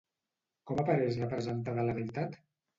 Com apareix representada la deïtat?